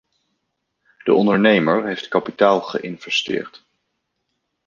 De ondernemer heeft kapitaal geïnvesteerd.